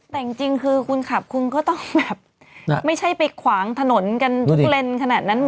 แต่จริงคือคุณขับคุณก็ต้องแบบไม่ใช่ไปขวางถนนกันทุกเลนส์ขนาดนั้น